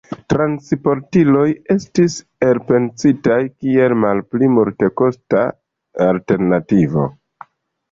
Transportiloj estis elpensitaj kiel malpli multekosta alternativo.